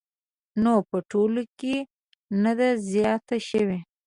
خو په ټوله کې نه ده زیاته شوې